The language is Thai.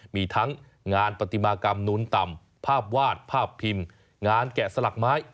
มีทั้งงานปฏิมากรรมนุ้นต่ำภาพวาดภาพพิมพ์งานแกะสลักไม้